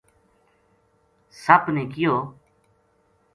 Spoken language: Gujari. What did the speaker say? سپ نے کہیو